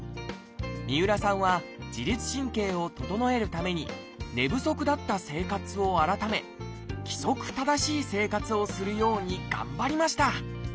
三浦さんは自律神経を整えるために寝不足だった生活を改め規則正しい生活をするように頑張りました。